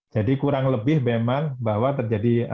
jadi kurang lebih memang bahwa terjadi